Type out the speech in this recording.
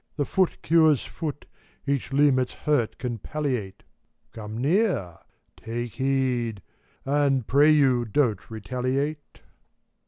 The foot cures foot, each limb its hurt can palliate ; Gome near ! Take heed ! and, pray you, don't retaliate